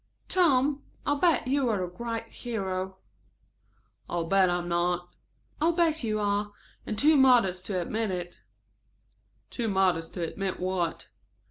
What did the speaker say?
"Tom, I'll bet you are a great hero." "I'll bet I'm not." "I'll bet you are, and are too modest to admit it." "Too modest to admit what?"